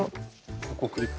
ここクリップ。